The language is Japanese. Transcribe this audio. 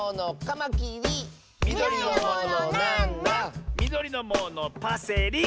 「みどりのものパセリ！」